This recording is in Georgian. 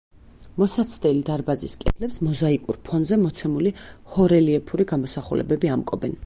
მოსაცდელი დარბაზის კედლებს მოზაიკურ ფონზე მოცემული ჰორელიეფური გამოსახულებები ამკობენ.